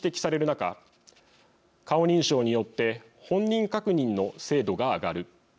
中顔認証によって本人確認の精度が上がる。